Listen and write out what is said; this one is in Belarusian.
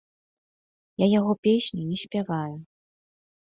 Я яго песню не спяваю.